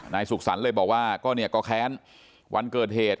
สุขสรรค์เลยบอกว่าก็เนี่ยก็แค้นวันเกิดเหตุ